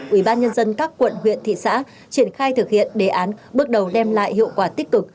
ủy ban nhân dân các quận huyện thị xã triển khai thực hiện đề án bước đầu đem lại hiệu quả tích cực